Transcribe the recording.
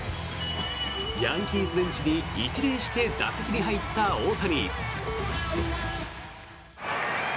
ヤンキースベンチに一礼して打席に入った大谷。